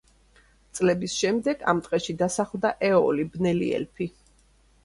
წლების შემდეგ ამ ტყეში დასახლდა ეოლი, ბნელი ელფი.